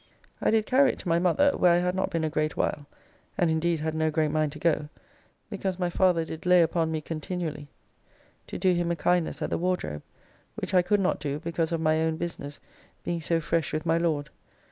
I did carry it to my mother, where I had not been a great while, and indeed had no great mind to go, because my father did lay upon me continually to do him a kindness at the Wardrobe, which I could not do because of my own business being so fresh with my Lord.